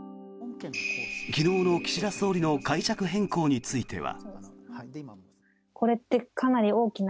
昨日の岸田総理の解釈変更については。